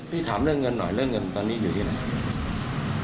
ถามเรื่องเงินหน่อยเรื่องเงินตอนนี้อยู่ที่ไหน